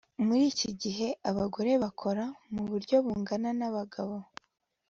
Muri iki kigo abagore bakora muburyo bungana nabagabo